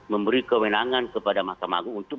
memberi kewenangan kepada mahkamah agung untuk